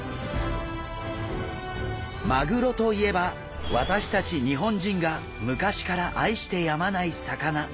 マグロといえば私たち日本人が昔から愛してやまない魚。